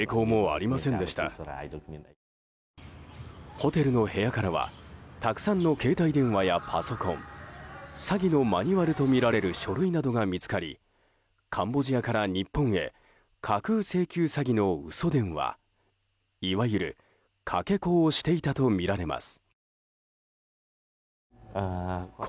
ホテルの部屋からはたくさんの携帯電話やパソコン詐欺のマニュアルとみられる書類などが見つかりカンボジアから日本へ架空請求詐欺の嘘電話いわゆる、かけ子をしていたとみられます。